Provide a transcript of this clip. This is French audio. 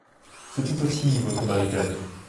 C'est tout petit, votre barricade.